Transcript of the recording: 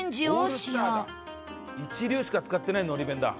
一流しか使ってない海苔弁だ。